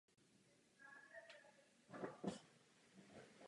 Sověti přešli do útoku a situace byla kritická.